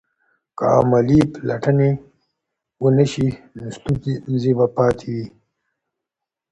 که عملي پلټنې ونه سي نو ستونزې به پاتې وي.